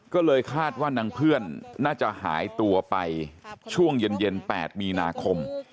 ก็เลยคาดว่านางเพื่อนน่าจะหายตัวไปช่วงเย็น๘มีนาคม